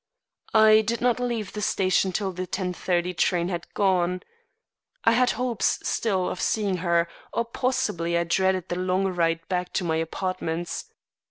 "I did not leave the station till the ten thirty train had gone. I had hopes, still, of seeing her, or possibly I dreaded the long ride back to my apartments.